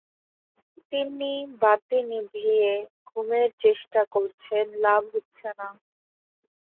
তিনি বাতি নিভিয়ে ঘুমের চেষ্টা করছেন-লাভ হচ্ছে না।